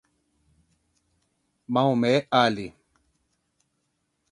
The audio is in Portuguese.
Maomé Ali, grão-vizir, armênios, Armênia, turca, Grã-Bretanha, Tríplice Aliança, Áustria, Itália